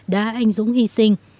đã anh dũng hy sinh